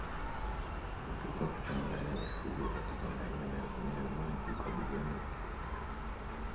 Epuka kuchanganya mifugo katika maeneo ya kunywea maji kukabiliana na ugonjwa